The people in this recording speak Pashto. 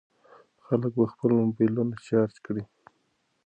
خلک به خپل موبایلونه چارج کړي.